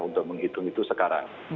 untuk menghitung itu sekarang